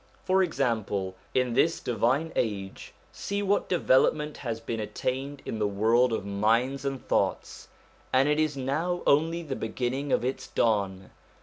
For example, in this divine age see what development has been attained in THE MANIFESTATIONS OF GOD 187 the world of minds and thoughts, and it is now only the beginning of its dawn.